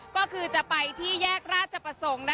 ก็คือจะไปที่แยกราชประสงค์